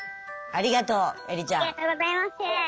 ありがとうエリちゃん。